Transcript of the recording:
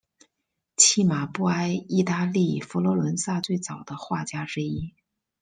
契马布埃意大利佛罗伦萨最早的画家之一。